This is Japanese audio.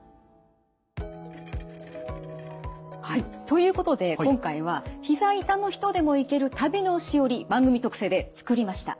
ということで今回はひざ痛の人でも行ける旅のしおり番組特製で作りました。